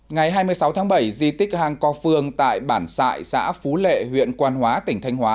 ngày hai mươi sáu tháng bảy di tích hang co phương tại bản sại xã phú lệ huyện quan hóa tỉnh thanh hóa